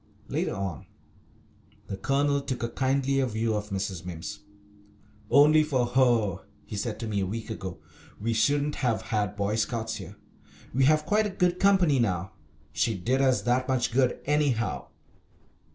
Later on the Colonel took a kindlier view of Mrs. Mimms. "Only for her," he said to me a week ago, "we shouldn't have had Boy Scouts here. We have quite a good company now. She did us that much good, anyhow."